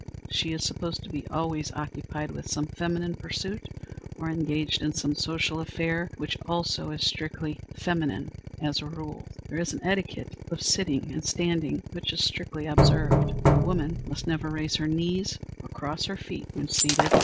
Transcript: She is supposed to be always occupied with some feminine pursuit or engaged in some social affair, which also is strictly feminine as a rule. There is an etiquette of sitting and standing, which is strictly observed. The woman must never raise her knees or cross her feet when seated.